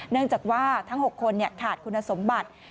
เนื่องจากว่าทั้ง๖คนขาดคุณสมบัติ